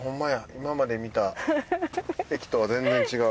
今まで見た駅とは全然違う。